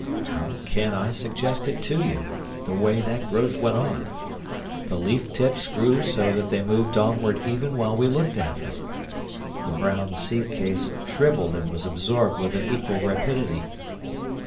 How can I suggest it to you—the way that growth went on? The leaf tips grew so that they moved onward even while we looked at them. The brown seed case shrivelled and was absorbed with an equal rapidity.